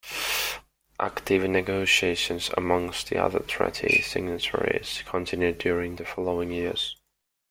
Active negotiations amongst the other treaty signatories continued during the following years.